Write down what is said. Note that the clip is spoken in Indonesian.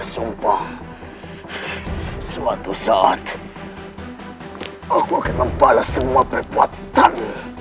andai aku masih memiliki kekuatan